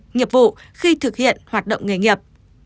nhiệp vụ khi thực hiện hoạt động nghề nghiệp